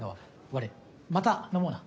悪いまた飲もうな。